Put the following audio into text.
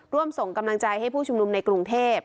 ร่วมส่งกำลังใจให้ผู้ชุมนุมในกรุงเทพ